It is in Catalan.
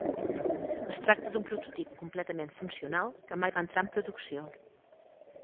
Es tracta d'un prototip completament funcional que mai va entrar en producció.